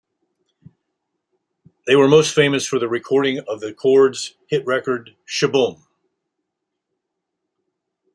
They were most famous for their recording of The Chords' hit record, Sh-Boom.